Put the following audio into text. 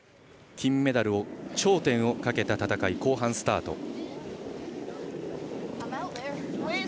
金メダルを、頂点をかけた戦い後半がスタート。